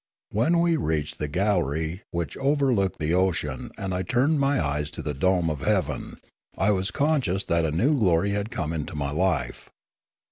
When we reached the gallery which over looked the ocean and I turned my eyes to the dome of heaven, I was conscious that a new glory had come into my life.